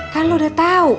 kan lo udah tahu